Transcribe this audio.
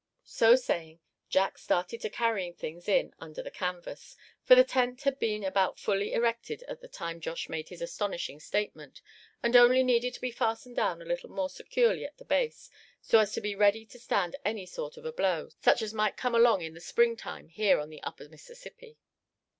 So saying, Jack started to carry things in under the canvas, for the tent had been about fully erected at the time Josh made his astonishing statement; and only needed to be fastened down a little more securely at the base, so as to be ready to stand any sort of a blow, such as might come along in the spring time here on the upper Mississippi.